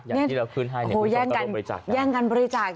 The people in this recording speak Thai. อย่างที่เราขึ้นให้คุณผู้ชมก็ร่วมบริจักษ์